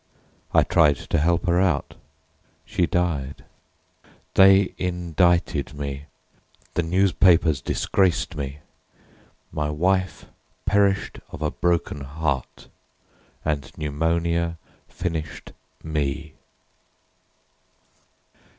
I tried to help her out—she died— They indicted me, the newspapers disgraced me, My wife perished of a broken heart. And pneumonia finished me.